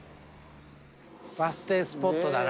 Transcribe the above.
バス停スポットだな